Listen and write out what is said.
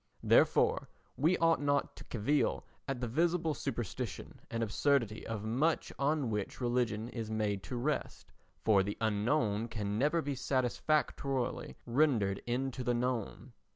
Therefore we ought not to cavil at the visible superstition and absurdity of much on which religion is made to rest, for the unknown can never be satisfactorily rendered into the known.